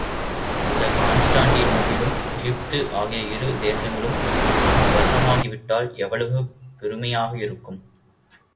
அந்தக் கான்ஸ்டாண்டி நோபிலும், எகிப்தும் ஆகிய இரு தேசங்களும் நம் வசமாகிவிட்டால் எவ்வளவு பெருமையாக இருக்கும்?